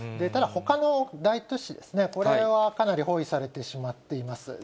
ただ、ほかの大都市ですね、これはかなり包囲されてしまっています。